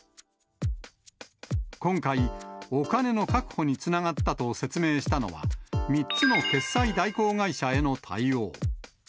今回、お金の確保につながったと説明したのは、３つの決済代行会社への対応。